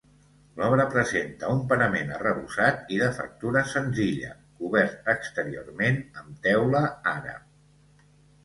L'obra presenta un parament arrebossat i de factura senzilla, cobert exteriorment amb teula àrab.